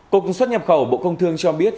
cục xuất nhập khẩu bộ công thương cho biết